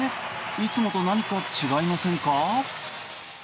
いつもと何か違いませんか？